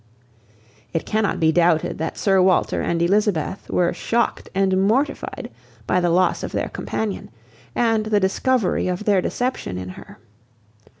It cannot be doubted that Sir Walter and Elizabeth were shocked and mortified by the loss of their companion, and the discovery of their deception in her.